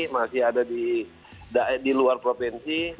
masih ada di luar provinsi